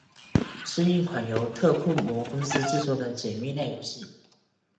是一款由特库摩公司制作的解谜类游戏。